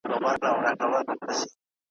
لکه میندي هسي لوڼه لکه ژرندي هسي دوړه `